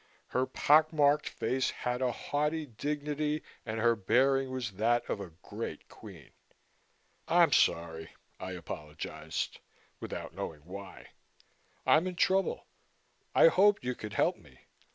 Her pock marked face had a haughty dignity and her bearing was that of a great queen. "I'm sorry," I apologized, without knowing why. "I'm in trouble. I hoped you could help me.